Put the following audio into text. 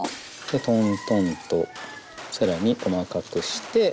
トントンと更に細かくして。